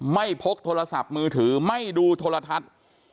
พกโทรศัพท์มือถือไม่ดูโทรทัศน์